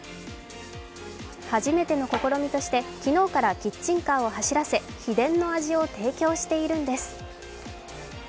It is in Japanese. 初めての試みとして昨日からキッチンカーを走らせ秘伝の味を提供しているんです。